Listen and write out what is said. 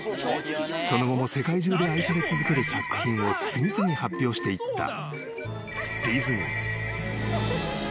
［その後も世界中で愛され続ける作品を次々発表していったディズニー］